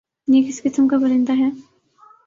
یہ کس قِسم کا پرندہ ہے؟